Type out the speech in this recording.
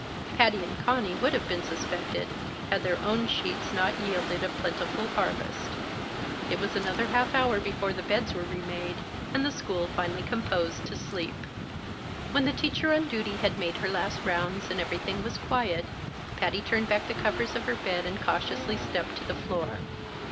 Patty and Conny would have been suspected, had their own sheets not yielded a plentiful harvest. It was another half hour before the beds were remade, and the school finally composed to sleep. When the teacher on duty had made her last rounds, and everything was quiet, Patty turned back the covers of her bed and cautiously stepped to the floor.